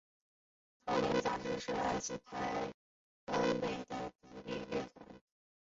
透明杂志是来自台湾台北的独立乐团。